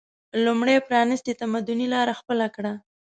لومړی پرانیستي تمدني لاره خپله کړه